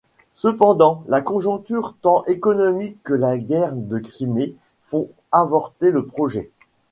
Cependant la conjoncture tant économique que la guerre de Crimée font avorter le projet.